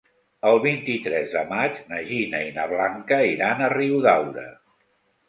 El vint-i-tres de maig na Gina i na Blanca iran a Riudaura.